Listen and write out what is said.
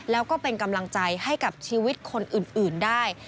แล้วก็เป็นกำลังใจให้กับชีวิตคนอื่นได้